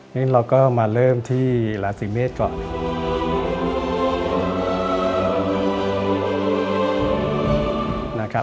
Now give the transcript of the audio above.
นี่เราก็มาเริ่มที่ราศีเมษก่อน